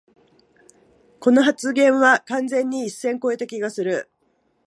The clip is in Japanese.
この発言は完全に一線こえた気がする